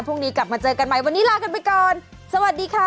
พรุ่งนี้กลับมาเจอกันใหม่วันนี้ลากันไปก่อนสวัสดีค่ะ